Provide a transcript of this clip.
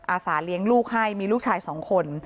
อาสาเลี้ยงลูกให้มีลูกชาย๒คน